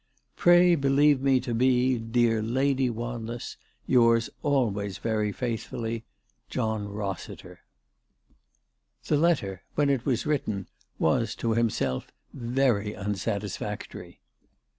" Pray believe me to be, " Dear Lady Wanless, " Yours* always very faithfully, " JOHN ROSSITER." The letter, when it was written, was, to himself, very c c 386 ALICE DUGDALE. unsatisfactory.